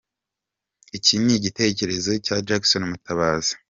Iki ni igitekerezo cya Jackson Mutabazi.